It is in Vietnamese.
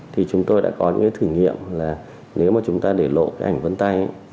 thì chúng tôi đã có những cái thử nghiệm là nếu mà chúng ta để lộ cái ảnh vân tay